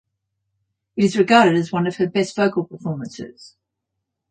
It is regarded as one of her best vocal performances.